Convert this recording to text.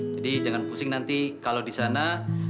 jadi jangan pusing nanti kalau disana